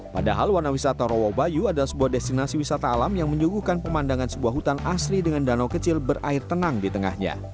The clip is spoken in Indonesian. padahal warna wisata rowo bayu adalah sebuah destinasi wisata alam yang menyuguhkan pemandangan sebuah hutan asri dengan danau kecil berair tenang di tengahnya